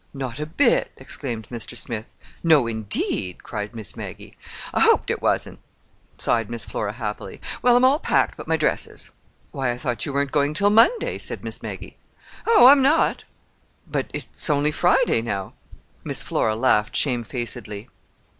"Not a bit!" exclaimed Mr. Smith. "No, indeed!" cried Miss Maggie. "I hoped it wasn't," sighed Miss Flora happily. "Well, I'm all packed but my dresses." "Why, I thought you weren't going till Monday," said Miss Maggie. "Oh, I'm not." "But—it's only Friday now!" Miss Flora laughed shamefacedly.